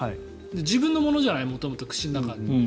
自分のものじゃない元々、口の中って。